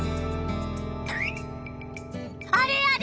あれあれ？